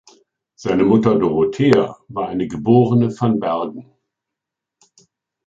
Seine Mutter Dorothea war eine geborene van Bergen.